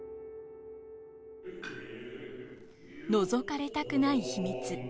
覗かれたくない秘密。